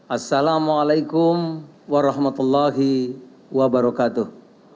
assalamualaikum warahmatullahi wabarakatuh